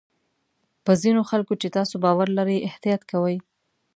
په ځینو خلکو چې تاسو باور لرئ احتیاط کوئ.